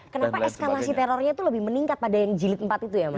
kenapa eskalasi terornya itu lebih meningkat pada yang jilid empat itu ya mas